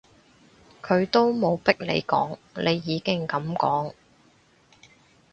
佢都冇逼你講，你已經噉講